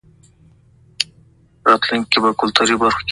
د پیسو پیدا کول زحمت غواړي.